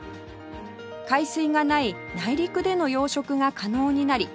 海水がない内陸での養殖が可能になり